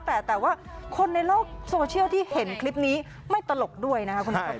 แต่ว่าคนในโลกโซเชียลที่เห็นคลิปนี้ไม่ตลกด้วยนะครับคุณอาทิตย์ครบครับ